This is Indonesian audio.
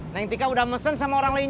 yang kita udah mesen sama orang lain